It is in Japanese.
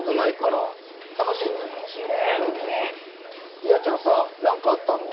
夕空ちゃんさ何かあったの？